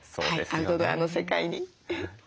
アウトドアの世界に。